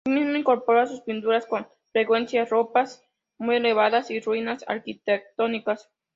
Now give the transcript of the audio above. Asimismo, incorporó a sus pinturas con frecuencia ropas muy elaboradas y ruinas arquitectónicas.